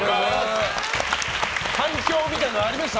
反響みたいなのありました？